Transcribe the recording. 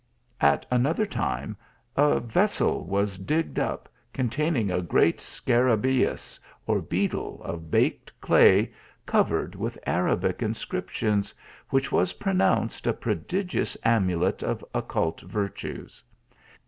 At another time, a vessel was digged up, containing a great scarabneus, or beetle, of baked clay, covered with Arabic inscriptions, which was pronounced a prodigious amulet of occult virtues.